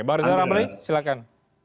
mbak rizal ramli silakan